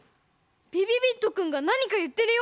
びびびっとくんがなにかいってるよ？